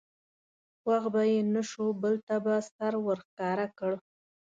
خوښ به یې نه شو بل ته به سر ور ښکاره کړ.